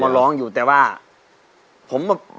เพลงนี้สี่หมื่นบาทค่ะอินโทรเพลงที่สาม